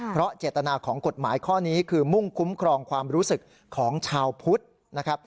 เพราะเจตนาของกฎหมายข้อนี้คือมุ่งคุ้มครองความรู้สึกของชาวพุทธนะครับ